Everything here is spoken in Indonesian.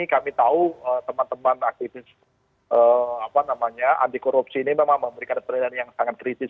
kami tahu teman teman aktivis anti korupsi ini memang memberikan pelayanan yang sangat kritis